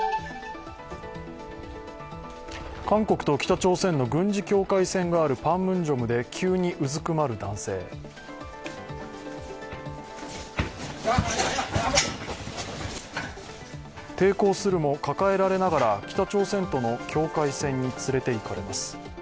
韓国と北朝鮮の軍事境界線があるパンムンジョムで急にうずくまる男性。抵抗するも抱えられながら北朝鮮との境界線に連れていかれます。